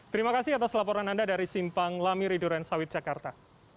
terima kasih atas laporan anda dari simpang lamiri duren sawit jakarta